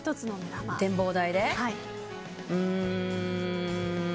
展望台で？